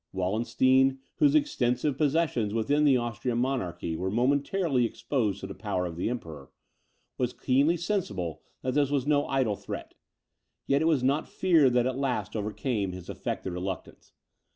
Wallenstein, whose extensive possessions within the Austrian monarchy were momentarily exposed to the power of the Emperor, was keenly sensible that this was no idle threat; yet it was not fear that at last overcame his affected reluctance.